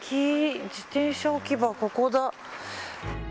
自転車置き場はここだ。